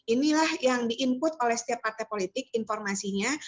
inilah yang di input oleh setiap partai politik informasinya